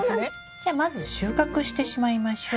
じゃあまず収穫してしまいましょう。